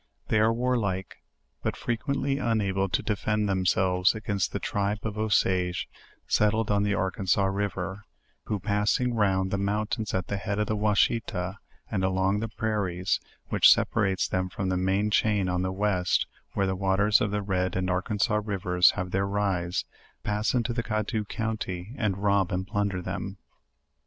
They are warlike, but frequently unable to defend themselves against the tribe of Osages, set tled on the Arkansas river, who, passing round the moun 13 194 JOURNAL OF tains at the head of the Washita, and along the prairies, which separate them from the main chain on the west, where the waters of the Red and Arkansas rivers have their rise, pass into the Cadoux county and rob and plunder them.